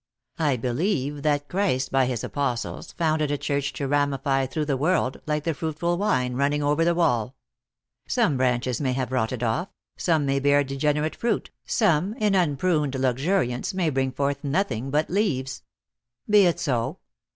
I believe that Christ by his Apostles founded a church to ramify through the world, like the fruitful vine running over the wall. Some branches may have rotted off, some may bear degenerate fruit, some in unpruned luxuriance may bring forth nothing but leaves. Be it so.